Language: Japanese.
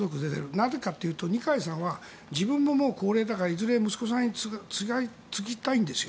なんでかっていうと二階さんは自分ももう高齢だからいずれ息子さんに継ぎたいんですよ。